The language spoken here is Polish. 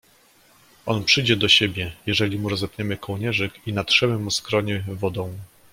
"On przyjdzie do siebie, jeżeli mu rozepniemy kołnierzyk i natrzemy mu skronie wodą."